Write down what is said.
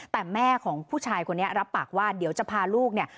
แต่แม่ของผู้ชายคนนี้รับปากว่าเดี๋ยวจะพาลูกเนี่ย